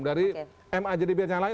dari ma jadi bn yang lain